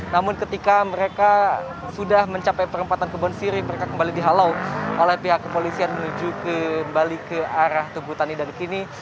namun ketika mereka sudah mencapai perempatan kebon sirih mereka kembali dihalau oleh pihak kepolisian menuju kembali ke arah tugutani dan kini